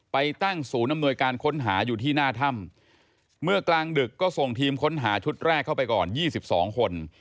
ไปตั้งศูนย์อำนวยการค้นหาอยู่ที่หน้าถ้ำเมื่อกลางดึกก็ส่งทีมค้นหาชุดแรกเข้าไปก่อน๒๒คน